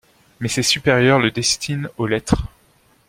Mais ses supérieurs le destinent aux lettres.